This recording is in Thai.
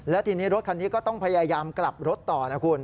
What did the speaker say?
และทีนี้รถคันนี้ก็ต้องพยายามกลับรถต่อนะคุณ